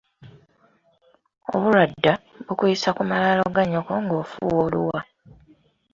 Obulwadda, bukuyisa ku malaalo ga nnyoko ng’ofuuwa oluwa.